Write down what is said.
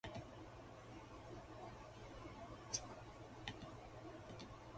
と書きかえるだけの仕事に過ぎないかも知れない